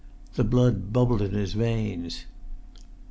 The blood bubbled in his veins.